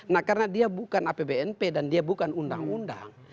nah karena dia bukan apbnp dan dia bukan undang undang